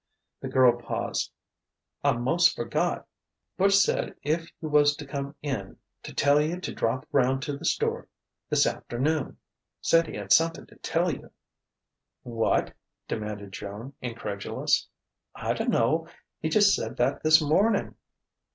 The girl paused. "I 'most forgot: Butch said if you was to come in to tell you to drop around to the store th'safternoon. Said he had something to tell you." "What?" demanded Joan, incredulous. "I dunno. He just said that this morning."